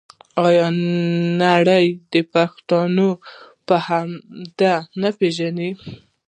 آیا نړۍ پښتون په همدې نه پیژني؟